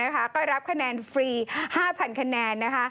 ก็รับคะแนนฟรี๕๐๐คะแนน